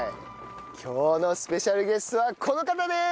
今日のスペシャルゲストはこの方でーす！